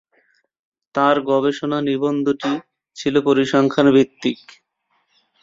তার গবেষণা নিবন্ধটি ছিল পরিসংখ্যান ভিত্তিক।